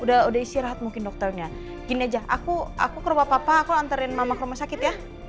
udah istirahat mungkin dokternya gini aja aku aku ke rumah papa aku antarin mama ke rumah sakit ya